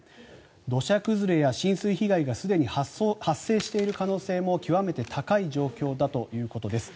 土砂崩れや浸水被害がすでに発生している可能性も極めて高い状況だということです。